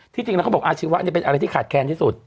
จริงแล้วเขาบอกอาชีวะเป็นอะไรที่ขาดแค้นที่สุด